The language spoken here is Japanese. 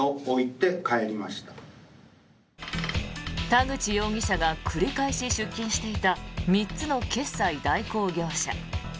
田口容疑者が繰り返し出金していた３つの決済代行業者。